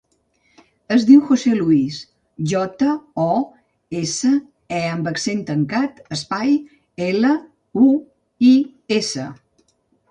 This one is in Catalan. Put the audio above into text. Es diu José luis: jota, o, essa, e amb accent tancat, espai, ela, u, i, essa.